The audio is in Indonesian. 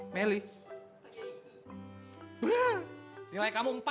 meli meli nilai kamu empat